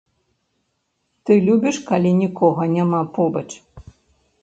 Ты любіш, калі нікога няма побач.